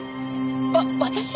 わ私？